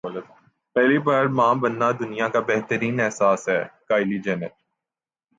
پہلی بار ماں بننا دنیا کا بہترین احساس ہے کایلی جینر